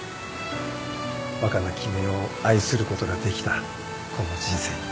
若菜絹代を愛することができたこの人生に。